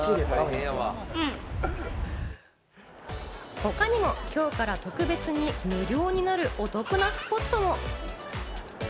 他にも、今日から特別に無料になるお得なスポットも。